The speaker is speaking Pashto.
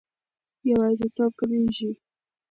یوازیتوب کمېږي.